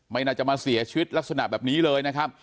ไม่น่าจะมาเสียชีวิตลักษณะแบบนี้เลยนะครับ